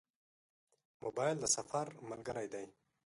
موبایل د سفر ملګری دی.